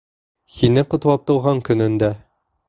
Һине ҡотлап тыуған көнөңдә.